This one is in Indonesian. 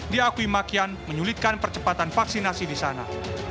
diakui makian menyulitkan percepatan vaksinasi di sana